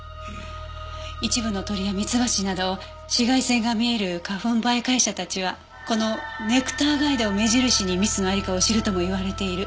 一部の鳥やミツバチなど紫外線が見える花粉媒介者たちはこのネクターガイドを目印に蜜の在りかを知るとも言われている。